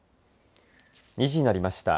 ２時になりました。